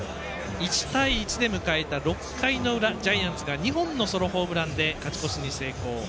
１対１で迎えた６回の裏ジャイアンツが２本のソロホームランで勝ち越しに成功。